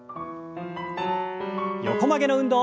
横曲げの運動。